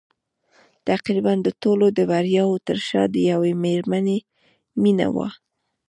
تقريباً د ټولو د برياوو تر شا د يوې مېرمنې مينه وه.